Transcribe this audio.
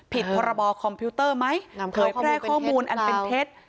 ผิดพรบคอมพิวเตอร์ไหมเข้าแค่ข้อมูลเป็นเพจ